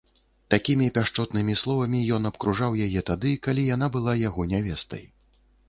Такімі пяшчотнымі словамі ён абкружаў яе тады, калі яна была яго нявестай.